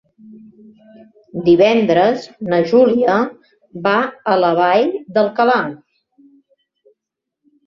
Divendres na Júlia va a la Vall d'Alcalà.